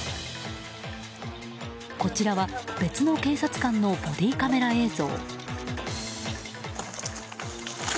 こちらは別の警察官のボディーカメラ映像。